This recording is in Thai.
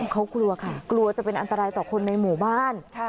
เขากลัวค่ะกลัวจะเป็นอันตรายต่อคนในหมู่บ้าน